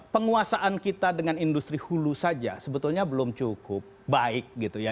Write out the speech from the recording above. penguasaan kita dengan industri hulu saja sebetulnya belum cukup baik gitu ya